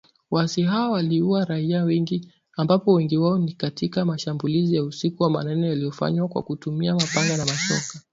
waasi hawa waliua raia wengi ambapo, wengi wao ni katika mashambulizi ya usiku wa manane yaliyofanywa kwa kutumia mapanga na mashoka